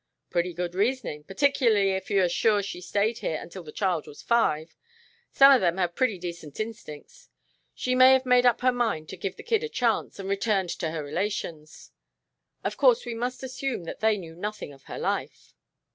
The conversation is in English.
"Pretty good reasoning, particularly if you are sure she stayed here until the child was five. Some of them have pretty decent instincts. She may have made up her mind to give the kid a chance, and returned to her relations. Of course we must assume that they knew nothing of her life."